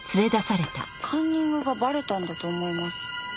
カンニングがバレたんだと思います。